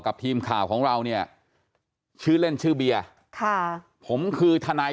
กับทีมข่าวของเราเนี่ยชื่อเล่นชื่อเบียร์ค่ะผมคือทนาย